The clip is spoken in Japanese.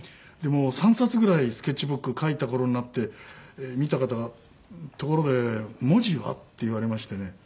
３冊ぐらいスケッチブック描いた頃になって見た方が「ところで文字は？」って言われましてね。